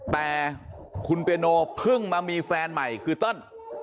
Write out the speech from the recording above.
แต่คุณเปียโนเพิ่งมามีแฟนใหม่คือเติ้ล